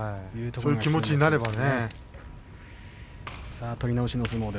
そういう気持ちになればね。